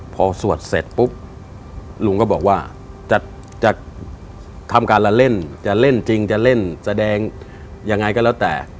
พอสวดเสร็จปุ๊บลุงก็บอกว่าจะทำการละเล่นจะเล่นจริงจะเล่นแสดงยังไงก็แล้วแต่